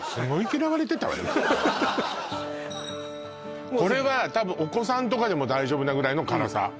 きっとこれは多分お子さんとかでも大丈夫なぐらいの辛さ